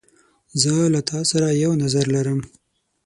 زه له تا سره یو نظر لرم.